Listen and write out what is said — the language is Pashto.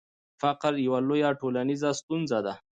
فقر یوه لویه ټولنیزه ستونزه ده.